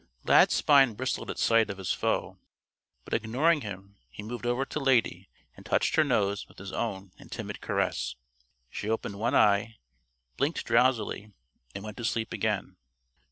Lad's spine bristled at sight of his foe. But ignoring him, he moved over to Lady and touched her nose with his own in timid caress. She opened one eye, blinked drowsily and went to sleep again.